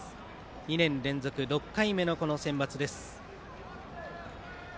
２年連続６回目のこのセンバツです。